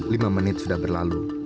lima menit sudah berlalu